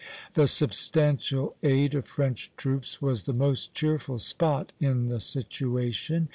The substantial aid of French troops was the most cheerful spot in the situation.